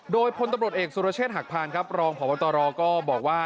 โดยพลตำรวจเอกสุรเชษฐหักพานครับรองพบตรก็บอกว่า